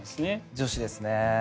女子ですね。